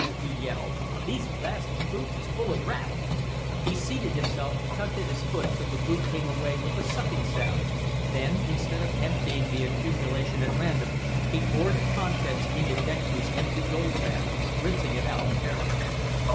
he yelled. "These blasted boots is full of gravel." He seated himself and tugged at his foot till the boot came away with a sucking sound, then, instead of emptying the accumulation at random, he poured the contents into Dextry's empty gold pan, rinsing it out carefully.